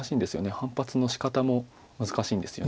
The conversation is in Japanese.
反発のしかたも難しいんですよね